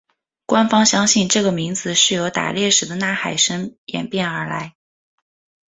官方相信这个名字是由打猎时的呐喊声演变而来。